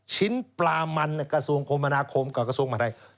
ชิ้นปลามันกระทรวงคมนาคมกับกระทรวงมหาดไทย